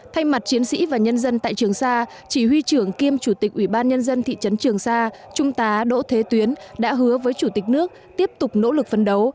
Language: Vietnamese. thay mặt chiến sĩ và nhân dân tại trường sa chỉ huy trưởng kiêm chủ tịch ủy ban nhân dân thị trấn trường sa trung tá đỗ thế tuyến đã hứa với chủ tịch nước tiếp tục nỗ lực phấn đấu